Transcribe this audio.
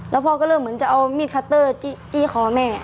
แล้วพ่อก็เริ่มเหมือนจะเอามีดคัตเตอร์จี้คอแม่